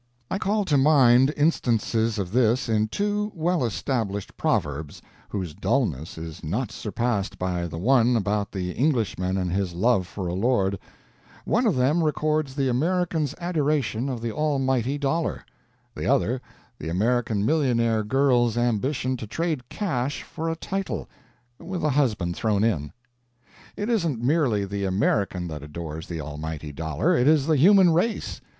I call to mind instances of this in two well established proverbs, whose dullness is not surpassed by the one about the Englishman and his love for a lord: one of them records the American's Adoration of the Almighty Dollar, the other the American millionaire girl's ambition to trade cash for a title, with a husband thrown in. It isn't merely the American that adores the Almighty Dollar, it is the human race.